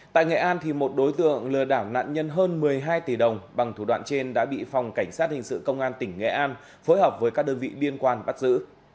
tại nghệ an một đối tượng lừa đảo nạn nhân hơn một mươi hai tỷ đồng bằng thủ đoạn trên đã bị phòng cảnh sát hình sự công an tỉnh nghệ an phối hợp với các đơn vị liên quan bắt giữ